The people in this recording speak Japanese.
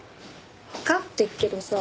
わかってっけどさ。